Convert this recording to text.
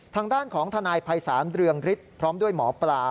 ทางด้านของทนายภัยศาลเรืองฤทธิ์พร้อมด้วยหมอปลา